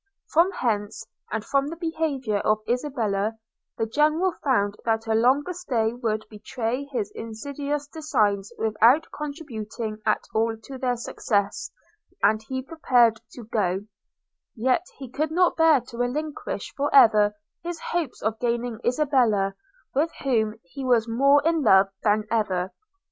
From hence, and from the behaviour of Isabella, the General found that a longer stay would betray his insidious designs without contributing at all to their success, and he prepared to go; yet could not bear to relinquish for ever his hopes of gaining Isabella, with whom he was more in love than ever.